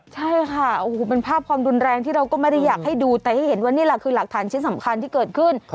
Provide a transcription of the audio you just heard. ใช่ค่ะโอ้โหเป็นภาพความรุนแรงที่เราก็ไม่ได้อยากให้ดูแต่ให้เห็นว่านี่แหละคือหลักฐานชิ้นสำคัญที่เกิดขึ้น